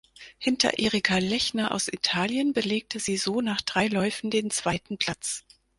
Hinter Erika Lechner aus Italien belegte sie so nach drei Läufen den zweiten Platz.